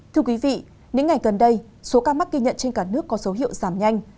thưa quý vị những ngày gần đây số ca mắc ghi nhận trên cả nước có dấu hiệu giảm nhanh